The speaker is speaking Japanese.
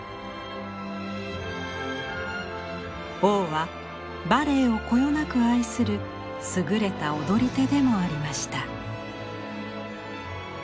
王はバレエをこよなく愛する優れた踊り手でもありました。